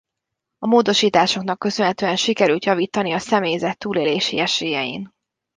A módosításoknak köszönhetően sikerült javítani a személyzet túlélési esélyein.